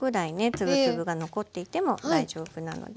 粒々が残っていても大丈夫なので。